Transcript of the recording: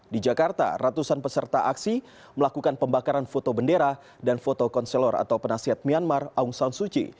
di jakarta ratusan peserta aksi melakukan pembakaran foto bendera dan foto konselor atau penasihat myanmar aung san suu kyi